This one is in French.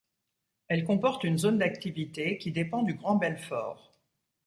Elle comporte une Zone d’Activité qui dépend du Grand Belfort.